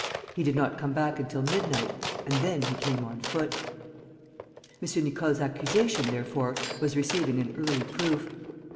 He did not come back until midnight; and then he came on foot. M. Nicole's accusation, therefore, was receiving an early proof.